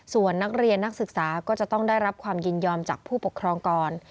ส่วนนักเรียนนักศึกษาก็จะต้องได้รับความยินยอมจากผู้ปกครองก่อน